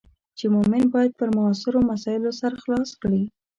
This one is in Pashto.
چې مومن باید پر معاصرو مسایلو سر خلاص کړي.